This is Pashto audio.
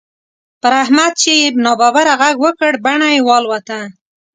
پر احمد چې يې ناببره غږ وکړ؛ بڼه يې والوته.